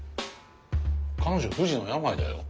彼女不治の病だよ？